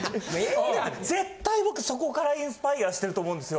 絶対僕そこからインスパイアしてると思うんですよ。